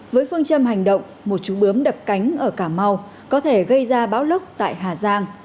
với phương châm hành động một chú bướm đập cánh ở cà mau có thể gây ra bão lốc tại hà giang